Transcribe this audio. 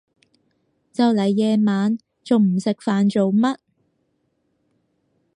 就嚟夜晚，仲唔食飯做乜？